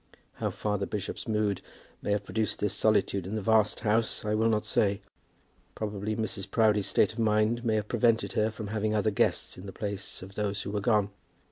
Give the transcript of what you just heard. How far the bishop's mood may have produced this solitude in the vast house I will not say. Probably Mrs. Proudie's state of mind may have prevented her from having other guests in the place of those who were gone.